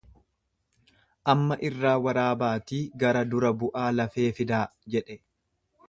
Amma irraa waraabaatii gara dura-bu'aa lafee fidaa jedhe.